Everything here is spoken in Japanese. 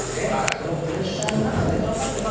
そのプレッシャーの中で頑張ってま